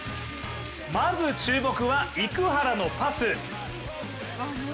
まず注目は、生原のパス。